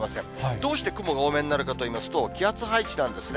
どうして雲が多めになるかといいますと、気圧配置なんですね。